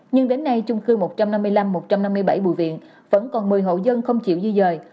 nhưng đến nay chung cư một trăm năm mươi năm một trăm năm mươi bảy bùi viện vẫn còn một mươi hộ dân không chịu di dời